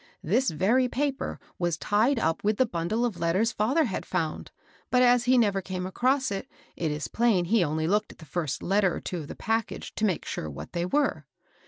This very paper was tied up with the bundle of letters fether had found ; but as he never came across it, it is plain he only looked at the first letter or two of the package to make sure what they were.